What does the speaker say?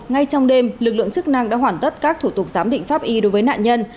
ngay trong đêm lực lượng chức năng đã hoàn tất các thủ tục giám định pháp y đối với nạn nhân